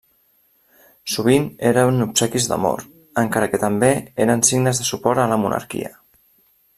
Sovint eren obsequis d’amor, encara que també eren signes de suport a la monarquia.